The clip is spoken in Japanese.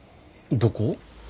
どこ？